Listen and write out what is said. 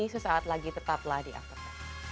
sesaat lagi tetaplah di after sepuluh